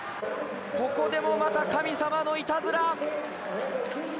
ここでもまた神様のいたずら。